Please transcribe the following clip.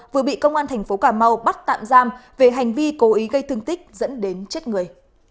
vừa bị công an thành phố cà mau bắt tạm giam về hành vi cố ý gây thương tích dẫn đến chết người